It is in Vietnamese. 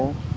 để tìm hiểu